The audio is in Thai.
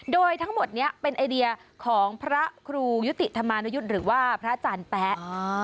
โดยทั้งหมดนี้เป็นไอเดียของพระครูยุติธรรมานุยุทธ์หรือว่าพระอาจารย์แป๊ะ